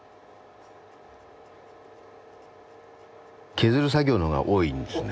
削る作業の方が多いんですね。